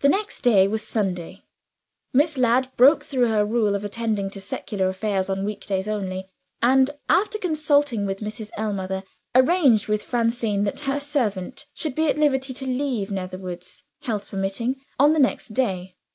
The next day was Sunday. Miss Ladd broke through her rule of attending to secular affairs on week days only; and, after consulting with Mrs. Ellmother, arranged with Francine that her servant should be at liberty to leave Netherwoods (health permitting) on the next day.